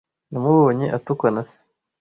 Namubonye atukwa na se.